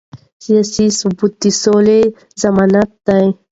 سیاسي ثبات د سولې ضمانت دی